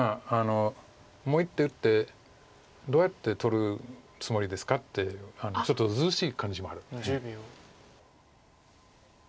もう一手打ってどうやって取るつもりですかってちょっとずうずうしい感じもあるんだね。